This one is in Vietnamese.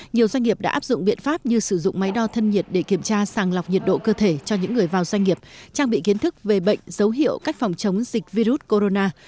nhiều doanh nghiệp đã áp dụng biện pháp như sử dụng máy đo thân nhiệt để kiểm tra sàng lọc nhiệt độ cơ thể cho những người vào doanh nghiệp trang bị kiến thức về bệnh dấu hiệu cách phòng chống dịch virus corona